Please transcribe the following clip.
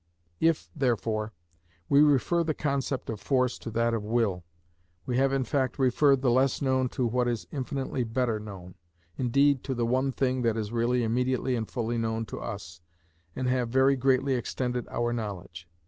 If, therefore, we refer the concept of force to that of will, we have in fact referred the less known to what is infinitely better known; indeed, to the one thing that is really immediately and fully known to us, and have very greatly extended our knowledge.